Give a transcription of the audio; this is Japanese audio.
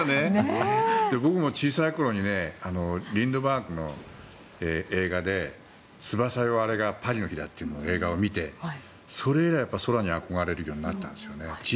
僕も小さい頃にリンドバーグの映画で「翼よ！あれが巴里の灯だ」という映画を見て、それ以来空に憧れるようになったんですね。